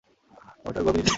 ওটা ওর গর্বের জিনিস ছিল।